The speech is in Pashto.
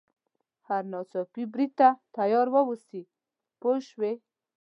هر ناڅاپي برید ته تیار واوسي پوه شوې!.